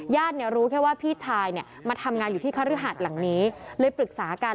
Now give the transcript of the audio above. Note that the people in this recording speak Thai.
รู้แค่ว่าพี่ชายเนี่ยมาทำงานอยู่ที่คฤหาสหลังนี้เลยปรึกษากัน